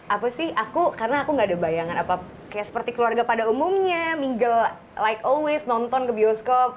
apa sih karena aku nggak ada bayangan apa seperti keluarga pada umumnya mingle like always nonton ke bioskop